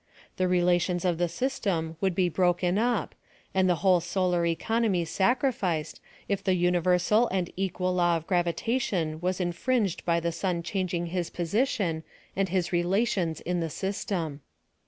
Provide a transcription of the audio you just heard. The relations of the system would be broken up, and the whole solar economy sacrificed, If the universal and equal law of gravitation was infrin ged by the sun changing his position and his rela tions in the system.